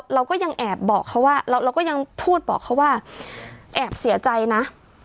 เราก็ยังแอบบอกเขาว่าเราก็ยังพูดบอกเขาว่าแอบเสียใจนะ